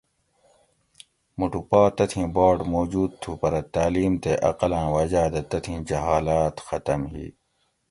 مُٹو پا تتھیں باٹ موجود تھُو پرہ تعلیم تے اقلاۤں وجاۤ دہ تتھیں جہالاۤت ختم ہی